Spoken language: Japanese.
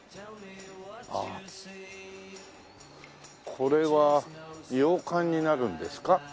これは洋館になるんですか？